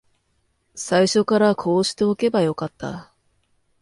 最初からこうしておけばよかった